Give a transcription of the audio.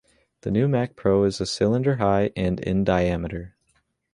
The new Mac Pro is a cylinder high and in diameter.